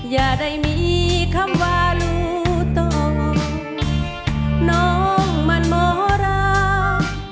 อย่าได้มีคำว่ารู้ตรงน้องมันหมอรัก